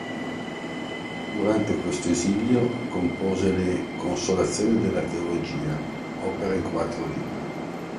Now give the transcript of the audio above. Durante questo esilio, compose le "Consolazioni della teologia", opera in quattro libri.